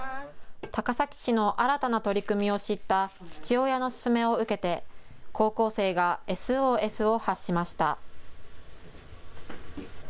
高崎市の新たな取り組みを知った父親の勧めを受けて高校生がＳＯＳを発しました。